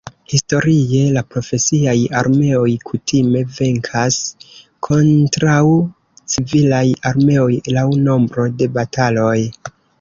Historie la profesiaj armeoj kutime venkas kontraŭ civilaj armeoj laŭ nombro de bataloj.